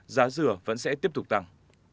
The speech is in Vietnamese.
giá rửa vẫn sẽ tiếp tục tăng